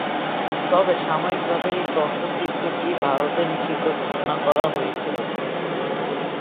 তবে সাময়িকভাবে এই তথ্যচিত্রটি ভারতে নিষিদ্ধ ঘোষণা করা হয়েছিল।